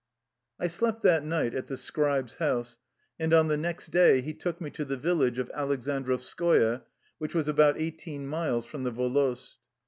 I slept tbat night at the scribe's house, and on the next day he took me to the village of Alek sandrovskoye, which was about eighteen miles from the volost.